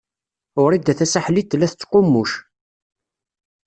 Wrida Tasaḥlit tella tettqummuc.